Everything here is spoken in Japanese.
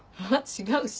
違うし。